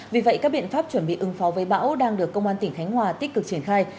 vì vậy các biện pháp chuẩn bị ứng phó với bão đang được công an tỉnh khánh hòa tích cực triển khai